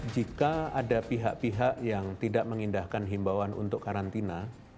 jika ada pihak pihak yang tidak mengindahkan himbawan untuk karantina